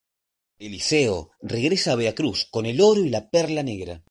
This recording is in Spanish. Eliseo regresa a Veracruz con el oro y la perla negra.